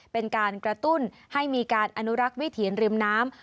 เป็นการกระตุ้นให้มีการอนุรักษ์วิถียนริมน้ำ